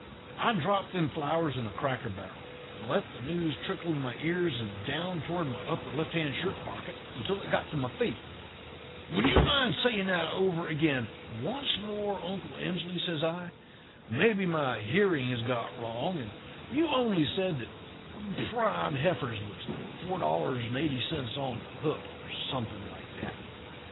"I dropped them flowers in a cracker barrel, and let the news trickle in my ears and down toward my upper left hand shirt pocket until it got to my feet. "'Would you mind saying that over again once more, Uncle Emsley?' says I. 'Maybe my hearing has got wrong, and you only said that prime heifers was 4.80 on the hoof, or something like that.'